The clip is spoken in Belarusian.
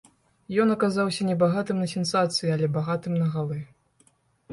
Ён аказаўся небагатым на сенсацыі, але багатым на галы.